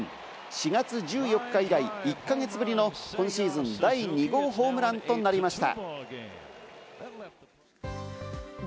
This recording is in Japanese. ４月１４日以来、１か月ぶりの今シーズン第２号ホームランとなりました。